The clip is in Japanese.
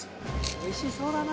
おいしそうだな。